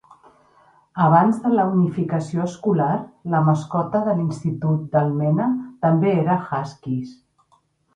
Abans de la unificació escolar, la mascota de l'institut d'Almena també era Huskies.